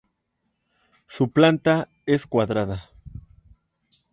Su planta es cuadrada.